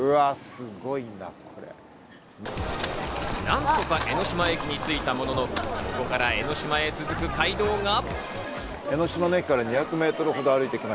何とか江ノ島駅についたものの、ここから江の島へ続く街道が。